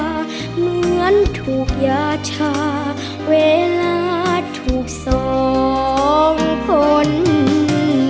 เหมือนถูกยาชาเวลาถูกสองคน